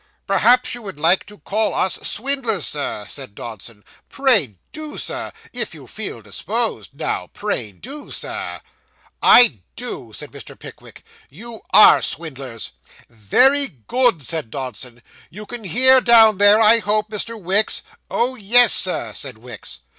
'Perhaps you would like to call us swindlers, sir,' said Dodson. 'Pray do, Sir, if you feel disposed; now pray do, Sir.' 'I do,' said Mr. Pickwick. 'You _are _swindlers.' 'Very good,' said Dodson. 'You can hear down there, I hope, Mr. Wicks?' 'Oh, yes, Sir,' said Wicks.